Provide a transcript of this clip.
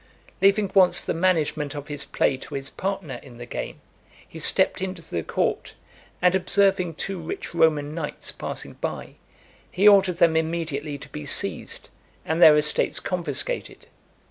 Leaving once the management of his play to his partner in the game, he stepped into the court, and observing two rich Roman knights passing by, he ordered them immediately to be seized, and their estates confiscated.